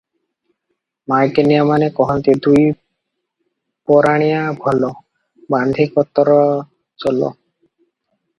ମାଈକିନିଆମାନେ କହନ୍ତି, ଦୁଇ ପରାଣିଆ ଭଲ, ବାନ୍ଧି କତରା ଚଲ ।